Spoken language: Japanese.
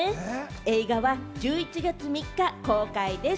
映画は１１月３日公開です。